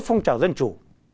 phong trào dân chủ